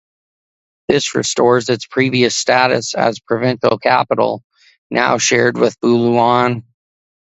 This restores its previous status as provincial capital, now shared with Buluan.